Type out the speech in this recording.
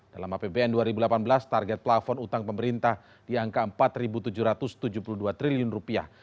dalam apbn dua ribu delapan belas target plafon utang pemerintah di angka empat tujuh ratus tujuh puluh dua triliun rupiah